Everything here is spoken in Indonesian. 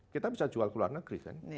kita bisa jual ke luar negeri kan